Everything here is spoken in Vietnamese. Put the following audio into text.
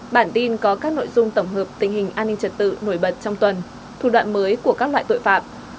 bản tin có các nội dung tổng hợp tình hình an ninh trật tự nổi bật trong tuần thủ đoạn mới của các loại tội phạm